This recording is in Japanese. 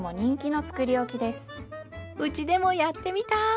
うちでもやってみたい！